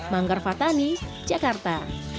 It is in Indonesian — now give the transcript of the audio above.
manggar fathani jakarta